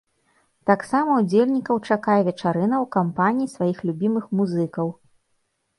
Таксама удзельнікаў чакае вечарына ў кампаніі сваіх любімых музыкаў!